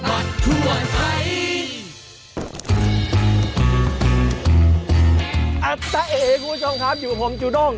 อาจจะเอคุณผู้ชมครับอยู่กับผมจูด้ง